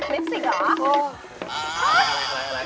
ลิปสิกเหรอ